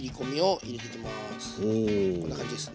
こんな感じですね。